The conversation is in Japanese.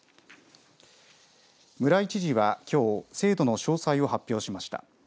村井知事は、きょう制度の詳細を発表しました。